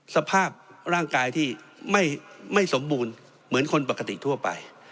สภาพร่างกายที่ไม่สมบูรณ์เหมือนคนปกติทั่วไป